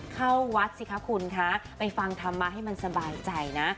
เข้าวัดสิคะคุณคะไปฟังธรรมะให้มันสบายใจนะ